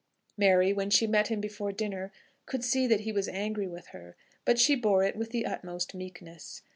Mary, when she met him before dinner, could see that he was angry with her, but she bore it with the utmost meekness.